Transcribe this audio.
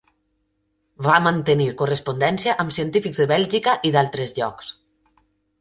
Va mantenir correspondència amb científics de Bèlgica i d'altres llocs.